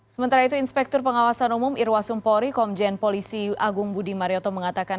sementara itu inspektur pengawasan umum irwa sumpori komjen polisi agung budi marioto mengatakan